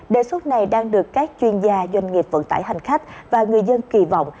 đề xuất này đang được các chuyên gia doanh nghiệp vận tải hành khách và người dân kỳ vọng